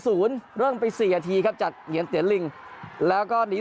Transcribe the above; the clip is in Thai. ศูนย์เริ่มไปสี่นาทีครับจากเหงียนเตียนลิงแล้วก็หนี